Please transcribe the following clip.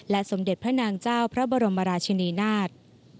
สมเด็จพระนางเจ้าพระบรมราชินีนาฏ